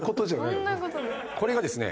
これがですね